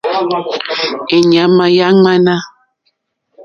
Èɲàmà yà ŋwánà.